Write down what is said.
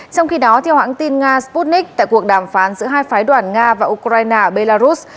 trong khi đó theo hãng tin nga sputnik tại cuộc đàm phán giữa hai phái đoàn nga và ukraine